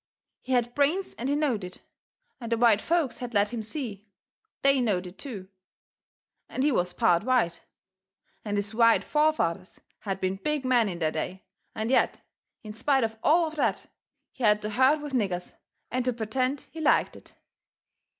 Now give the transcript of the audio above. He had brains and he knowed it, and the white folks had let him see THEY knowed it, too. And he was part white, and his white forefathers had been big men in their day, and yet, in spite of all of that, he had to herd with niggers and to pertend he liked it.